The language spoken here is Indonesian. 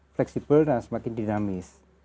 fleksibel dan semakin dinamis